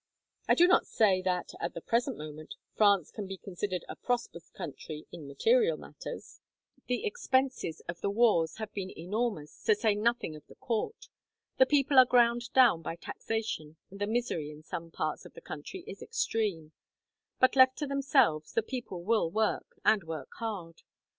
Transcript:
I do not say that, at the present moment, France can be considered a prosperous country in material matters. The expenses of the wars have been enormous, to say nothing of the Court. The people are ground down by taxation, and the misery in some parts of the country is extreme; but left to themselves the people will work, and work hard.